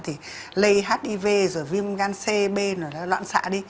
thì lây hiv rồi viêm gan c b rồi loạn xạ đi